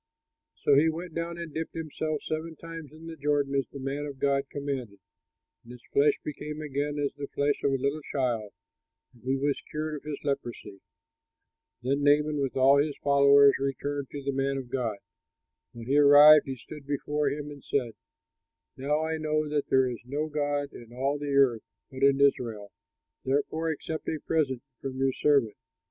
'" So he went down and dipped himself seven times in the Jordan as the man of God commanded; and his flesh became again like the flesh of a little child, and he was cured of his leprosy. Then Naaman, with all his followers, returned to the man of God. When he arrived, he stood before him and said, "Now I know that there is no god in all the earth, but in Israel; therefore accept a present from your servant."